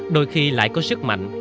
đôi khi lại có sức mạnh